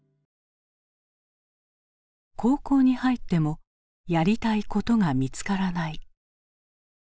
高校に入ってもやりたいことが見つからない。